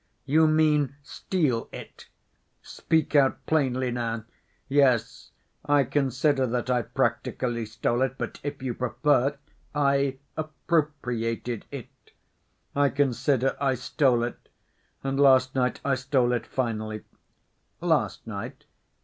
"You mean, 'steal it'? Speak out plainly now. Yes, I consider that I practically stole it, but, if you prefer, I 'appropriated it.' I consider I stole it. And last night I stole it finally." "Last night?